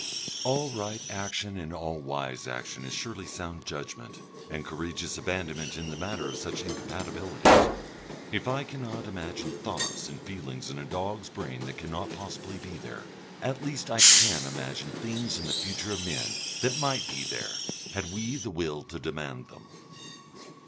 All right action and all wise action is surely sound judgment and courageous abandonment in the matter of such incompatibilities. If I cannot imagine thoughts and feelings in a dog's brain that cannot possibly be there, at least I can imagine things in the future of men that might be there had we the will to demand them....